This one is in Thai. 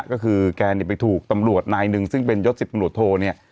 ก็คือแกเนี่ยไปถูกตำรวจนายหนึ่งซึ่งเป็นยศ๑๐ตำรวจโทเนี่ย